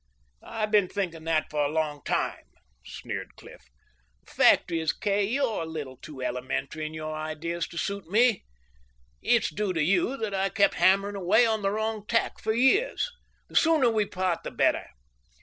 "I've been thinking that for a long time," sneered Cliff. "The fact is, Kay, you're a little too elementary in your ideas to suit me. It's due to you that I kept hammering away on the wrong tack for years. The sooner we part, the better."